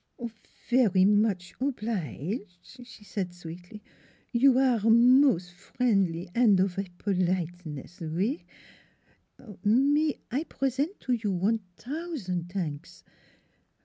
' Very much oblige," she said sweetly. " You aire mos' frien'ly an' of a politeness oui. Me I present to you one tousan' tanks.